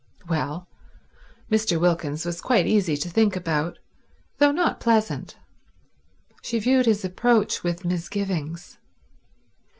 Well, Mr. Wilkins was quite easy to think about, though not pleasant. She viewed his approach with misgivings.